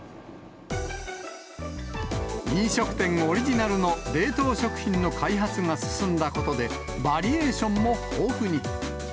飲食店オリジナルの冷凍食品の開発が進んだことで、バリエーションも豊富に。